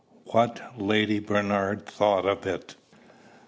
WHAT LADY BERNARD THOUGHT OF IT.